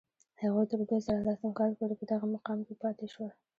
هغوی تر دوه زره لسم کال پورې په دغه مقام کې پاتې شول.